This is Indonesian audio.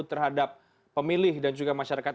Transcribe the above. terhadap pemilih dan juga masyarakat